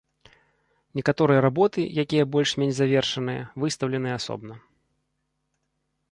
Некаторыя работы, якія больш-менш завершаныя, выстаўленыя асобна.